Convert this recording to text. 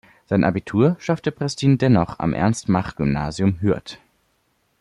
Sein Abitur schaffte Prestin dennoch am Ernst-Mach-Gymnasium Hürth.